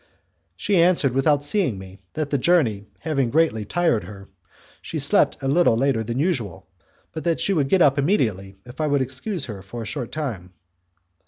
She answered without seeing me, that the journey having greatly tried her she had slept a little later than usual, but that she would get up immediately if I would excuse her for a short time.